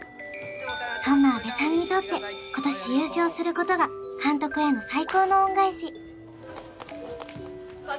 そんな阿部さんにとって今年優勝することが監督への最高の恩返し